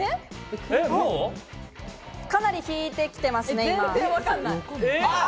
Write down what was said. かなり引いてきていますね、今。